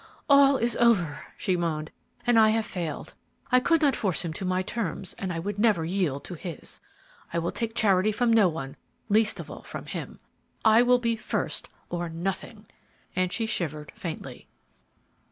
"All is over," she moaned, "and I have failed. I could not force him to my terms, and I would never yield to his. I will take charity from no one, least of all from him. I will be first, or nothing!" and she shivered faintly.